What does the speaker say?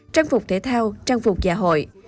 trang phục thể thao trang phục giả hội